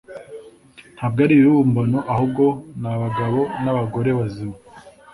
Ntabwo ari ibibumbano ahubwo ni abagabo n’abagore bazima